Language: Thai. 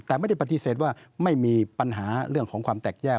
แต่ไม่ได้ปฏิเสธว่าไม่มีปัญหาเรื่องของความแตกแยก